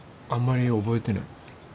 あんまり覚えてない。